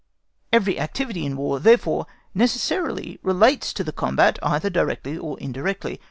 Every activity in War, therefore, necessarily relates to the combat either directly or indirectly.